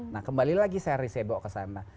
nah kembali lagi saya riset bawa ke sana